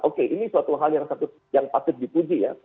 oke ini suatu hal yang patut dipuji ya